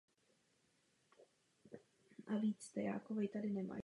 Žádný z těchto tří požadavků však není splněn.